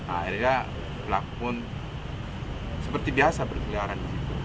akhirnya pelaku pun seperti biasa berkeliaran